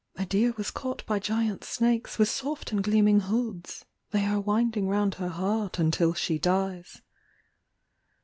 " A deer was caught by giant snakes with soft and gleaming hoods : They are winding round her heart until she dies."